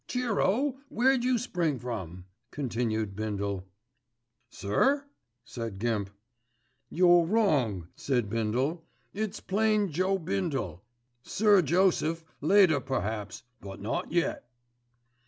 "Cheero! Where'd you spring from?" continued Bindle. "Sir?" said Gimp. "Your wrong," said Bindle, "it's plain Joe Bindle, Sir Joseph later perhaps; but not yet."